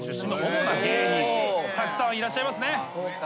たくさんいらっしゃいますね。